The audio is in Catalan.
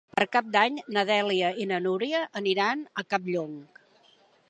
Per Cap d'Any na Dèlia i na Núria aniran a Campllong.